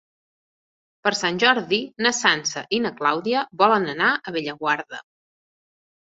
Per Sant Jordi na Sança i na Clàudia volen anar a Bellaguarda.